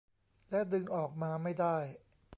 และดึงออกมาไม่ได้